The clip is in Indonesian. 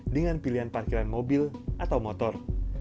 dengan pilihan parkiran mobil atau motor